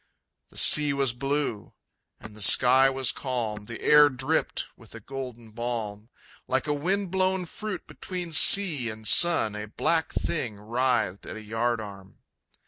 The sea was blue, and the sky was calm; The air dripped with a golden balm. Like a wind blown fruit between sea and sun, A black thing writhed at a yard arm.